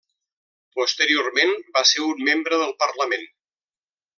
Posteriorment va ser un membre del Parlament.